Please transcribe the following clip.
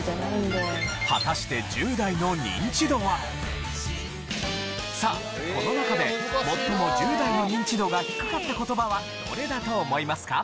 果たしてさあこの中で最も１０代のニンチドが低かった言葉はどれだと思いますか？